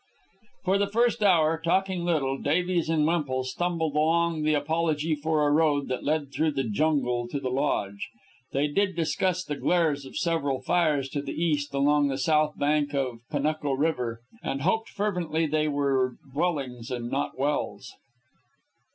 For the first hour, talking little, Davies and Wemple stumbled along the apology for a road that led through the jungle to the lodge. They did discuss the glares of several fires to the east along the south bank of Panuco River, and hoped fervently that they were dwellings and not wells.